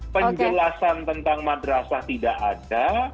penjelasan tentang madrasah tidak ada